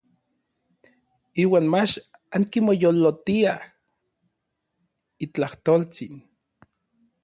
Iuan mach ankimoyolotiaj n itlajtoltsin.